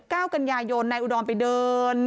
เก้ากันยายนนายอุดรไปเดิน